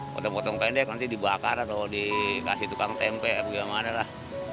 potong potong pendek nanti dibakar atau dikasih tukang tempe bagaimana lah